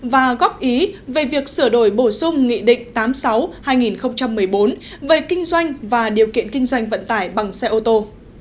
và góp ý về việc sửa đổi bổ sung nghị định tám mươi sáu hai nghìn một mươi bốn về kinh doanh và điều kiện kinh doanh vận tải bằng xe ô tô